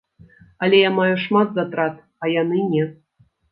Але я маю шмат затрат, а яны не.